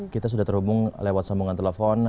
kita sudah terhubung lewat sambungan telepon